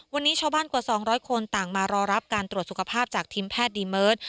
วันนี้ชาวบ้านกว่า๒๐๐คนต่างมารอรับการตรวจสุขภาพจากทีมแพทย์ดีเมิร์ด